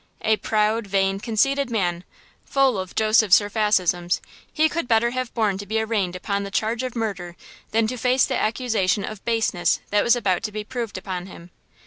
A proud, vain, conceited man, full of Joseph Surfacisms, he could better have borne to be arraigned upon the charge of murder than to face the accusation of baseness that was about to be proved upon him.